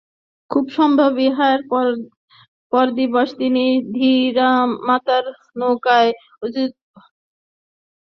খুব সম্ভবত ইহারই পরদিবস তিনি ধীরামাতার নৌকায় আসিয়া ভক্তি-প্রসঙ্গ করিতে থাকেন।